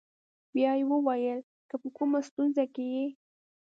بیا یې وویل: که په کومه ستونزه کې یې.